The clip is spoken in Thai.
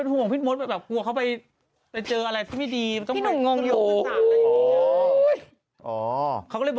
นี่แหละพิภาพวดีลังศิษฐ์